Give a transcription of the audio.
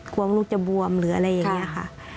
กลัวลูกจะบวมหรืออะไรอย่างนี้ค่ะ